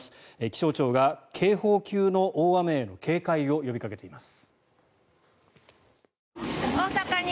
気象庁が警報級の大雨への警戒を呼びかけています。